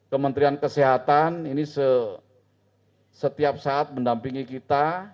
kementerian kesehatan ini setiap saat mendampingi kita